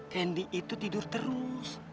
kendi itu tidur terus